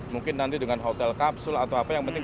mungkin nanti dengan hotel kapsul atau apa yang penting